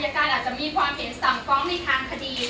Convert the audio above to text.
การอาจจะมีความเห็นสั่งฟ้องในทางคดี